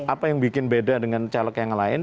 apa yang bikin beda dengan caleg yang lain